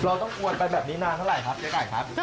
เราต้องกวนไปแบบนี้นานเท่าไหร่ครับยายไก่ครับ